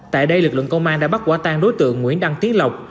tại đây lực lượng công an đã bắt quả tang đối tượng nguyễn đăng tiến lộc